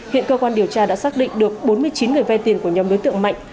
hiện cơ quan điều tra đã xác định được bốn mươi chín người vay tiền của nhóm đối tượng mạnh